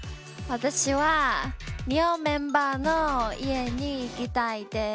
私は日本メンバーの家に行きたいです。